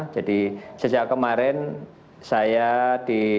jadi sejak kemarin saya ditugaskan